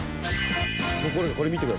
これ見てください。